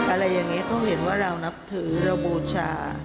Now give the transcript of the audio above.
อะไรอย่างนี้เขาเห็นว่าเรานับถือเราบูชา